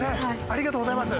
ありがとうございます。